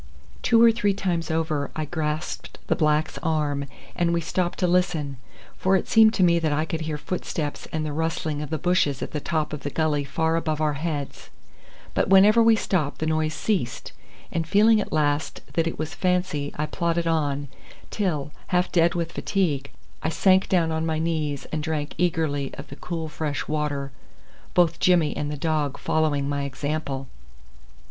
Two or three times over I grasped the black's arm and we stopped to listen, for it seemed to me that I could hear footsteps and the rustling of the bushes at the top of the gully far above our heads; but whenever we stopped the noise ceased, and feeling at last that it was fancy I plodded on, till, half dead with fatigue, I sank down on my knees and drank eagerly of the cool fresh water, both Jimmy and the dog following my example.